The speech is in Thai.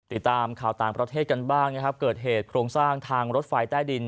ติดตามข่าวต่างประเทศกันบ้างนะครับเกิดเหตุโครงสร้างทางรถไฟใต้ดิน